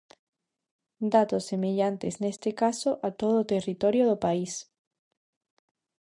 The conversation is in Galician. Datos semellantes neste caso a todo o territorio do país.